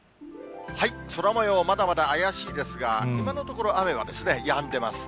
空もよう、まだまだ怪しいですが、今のところ、雨はやんでます。